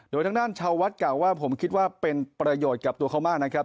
โดยทางด้านชาววัดกล่าวว่าผมคิดว่าเป็นประโยชน์กับตัวเขามากนะครับ